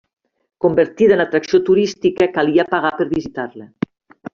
Convertida en atracció turística calia pagar per visitar-la.